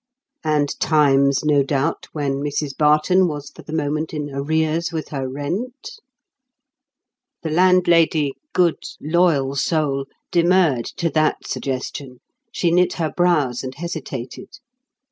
And times no doubt when Mrs Barton was for the moment in arrears with her rent? The landlady, good loyal soul, demurred to that suggestion; she knit her brows and hesitated.